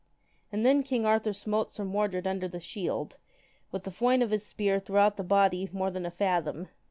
And then king Arthur smote Sir Mordred under the shield, with a foin of his spear throughout the body more than a fathom.